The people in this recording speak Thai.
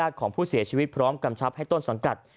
ของผู้เสียชีวิตพร้อมกำชับให้ต้นสังกัด